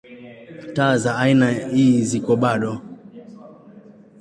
Taa za aina ii ziko bado.